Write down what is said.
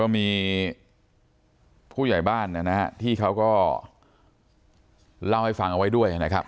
มีผู้ใหญ่บ้านนะฮะที่เขาก็เล่าให้ฟังเอาไว้ด้วยนะครับ